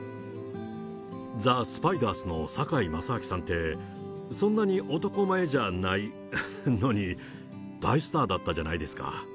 ザ・スパイダースの堺正章さんって、そんなに男前じゃないのに、大スターだったじゃないですか。